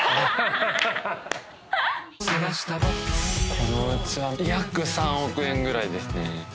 このおうちは約３億円ぐらいですね。